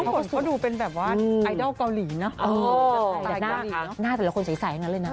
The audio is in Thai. เพราะดูเป็นแบบว่าไอดอลเกาหลีนะทุกคนใสนะเลยนะ